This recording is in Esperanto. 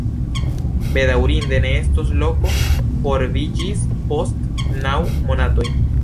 Bedaŭrinde ne estos loko por vi ĝis post naŭ monatoj.